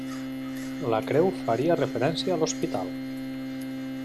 La creu faria referència a l'hospital.